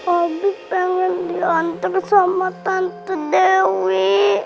obi pengen diantar sama tante dewi